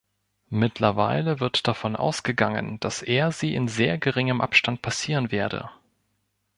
Mittlerweile wird davon ausgegangen, dass er sie in sehr geringem Abstand passieren werde.